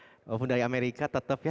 walaupun dari amerika tetap ya